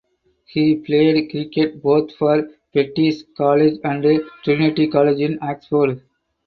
He played cricket both for Fettes College and Trinity College in Oxford.